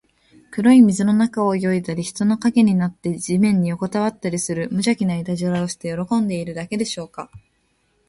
黒い水の中を泳いだり、人の影になって地面によこたわったりする、むじゃきないたずらをして喜んでいるだけでしょうか。